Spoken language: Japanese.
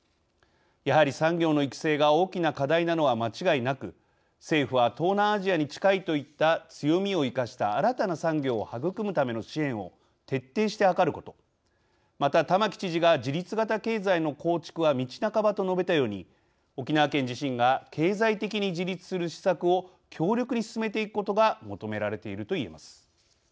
やはり産業の育成が大きな課題なのは間違いなく政府は東南アジアに近いといった強みを生かした新たな産業を育むための支援を徹底して図ることまた玉城知事が「自立型経済の構築は道半ば」と述べたように、沖縄県自身が経済的に自立する施策を強力に進めていくことが求められているといえます。